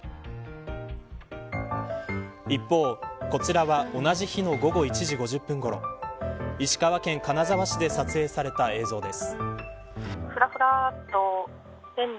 一方こちらは同じ日の午後１時５０分ごろ石川県金沢市で撮影された映像です。